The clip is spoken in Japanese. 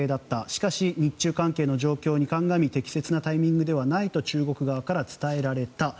しかし、日中関係の状況に鑑み適切なタイミングではないと中国側から伝えられた。